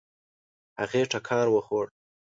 هغې ټکان وخوړ.